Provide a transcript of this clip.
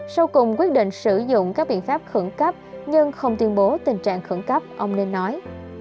sau cùng quyết định sử dụng các biện pháp khẩn cấp nhưng không tuyên bố tình trạng khẩn cấp ông nên nói